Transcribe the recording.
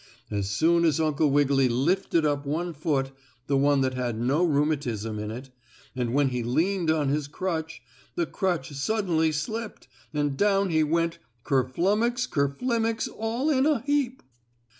As soon as Uncle Wiggily lifted up one foot the one that had no rheumatism in it and when he leaned on his crutch, the crutch suddenly slipped, and down he went ker flumux ker flimix all in a heap.